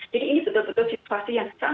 jadi ini betul betul situasi yang sangat